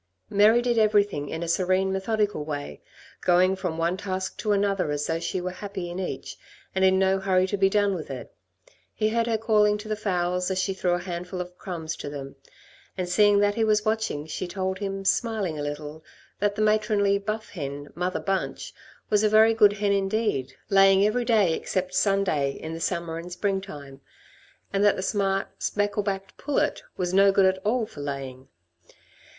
Mary did everything in a serene, methodical way, going from one task to another as though she were happy in each, and in no hurry to be done with it. He heard her calling to the fowls as she threw a handful of crumbs to them; and, seeing that he was watching, she told him, smiling a little, that the matronly, buff hen. Mother Bunch, was a very good hen indeed, laying every day, except Sunday, in the summer and spring time; and that the smart, speckled backed pullet was no good at all for laying.